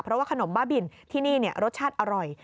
เพราะว่าขนมบ้าบินที่นี่รสชาติอร่อย